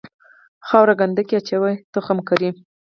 خاوره کنده کې اچوي تخم کري.